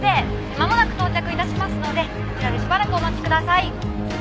まもなく到着致しますのでこちらでしばらくお待ちください。